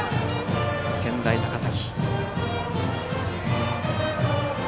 健大高崎。